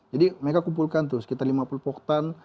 jadi mereka kumpulkan tuh sekitar lima puluh poktan